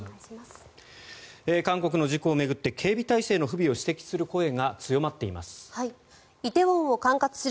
韓国の事故を巡って警備態勢の不備を指摘する声が強まっています。